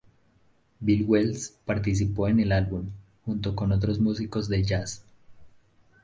Bill Wells participó en el álbum, junto con otros músicos de jazz.